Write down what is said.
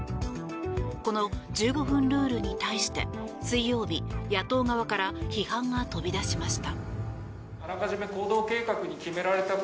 この１５分ルールに対して水曜日、野党側から批判が飛び出しました。